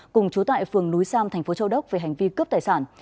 cùng chú tại phường núi sam tp châu đốc về hành vi cướp tài sản